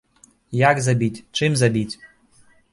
Як забіць, чым забіць?